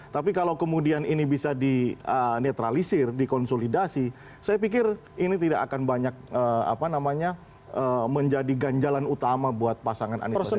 tapi kalau kemudian ini bisa dinetralisir dikonsolidasi saya pikir ini tidak akan banyak menjadi ganjalan utama buat pasangan anies baswedan